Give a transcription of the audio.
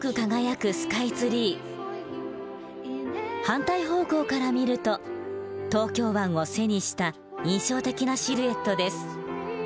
反対方向から見ると東京湾を背にした印象的なシルエットです。